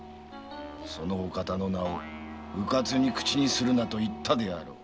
そのお方の名をウカツに口にするなと言っただろう。